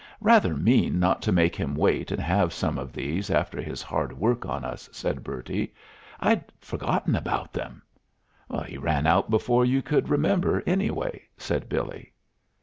"Rather mean not to make him wait and have some of these after his hard work on us," said Bertie. "I'd forgotten about them " "He ran out before you could remember, anyway," said Billy.